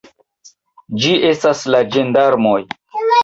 Ĝi estas la ĝendarmoj!